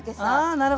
なるほど！